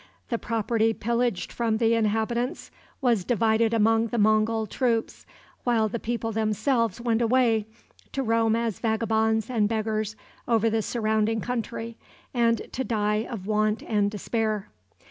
The property pillaged from the inhabitants was divided among the Mongul troops, while the people themselves went away, to roam as vagabonds and beggars over the surrounding country, and to die of want and despair.